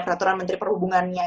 peraturan menteri perhubungannya